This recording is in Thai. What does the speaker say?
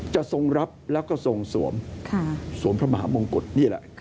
ทรงรับแล้วก็ทรงสวมสวมพระมหามงกุฎนี่แหละ